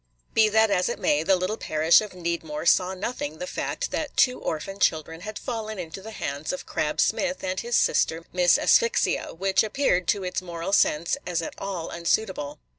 Be that as it may, the little parish of Needmore saw nothing the fact that two orphan children had fallen into the hands of Crab Smith and his sister, Miss Asphyxia, which appeared to its moral sense as at all unsuitable.